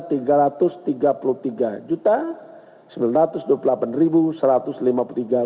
sehingga dari jumlah tunjangan kinerja yang seharusnya dibayarkan